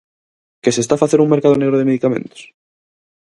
Que se está a facer un mercado negro de medicamentos?